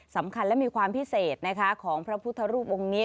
สำคัญและมีความพิเศษนะคะของพระพุทธรูปองค์นี้